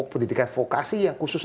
pendidikan vokasi yang khusus